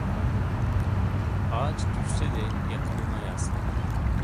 Ağaç düşse de yakınına yaslanır.